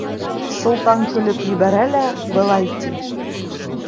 Солтан көлөп ебәрә лә былай ти: